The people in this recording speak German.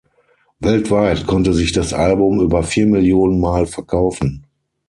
Weltweit konnte sich das Album über vier Millionen Mal verkaufen.